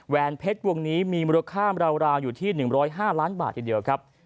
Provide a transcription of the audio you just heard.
แวนเพชรวงนี้มีมูลค่าราวอยู่ที่๑๐๕ล้านบาททีเดียวครับ